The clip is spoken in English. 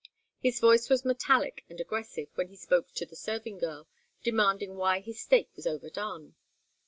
His voice was metallic and aggressive when he spoke to the serving girl, demanding why his steak was overdone.